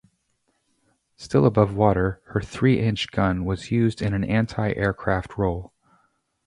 Still above water, her three-inch gun was used in an anti-aircraft role.